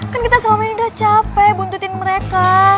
kan kita selama ini udah capek buntutin mereka